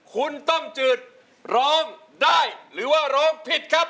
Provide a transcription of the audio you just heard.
คุณต้มจืดร้องได้หรือว่าร้องผิดครับ